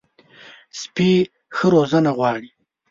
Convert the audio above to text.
سپي ښه روزنه غواړي.